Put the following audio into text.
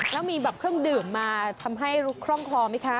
แล้วมีแบบเครื่องดื่มมาทำให้คล่องคลอไหมคะ